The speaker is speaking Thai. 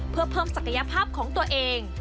เพื่อเพิ่มศักยภาพของตัวเอง